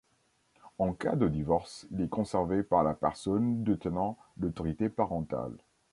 En cas de divorce, il est conservé par la personne détenant l'autorité parentale.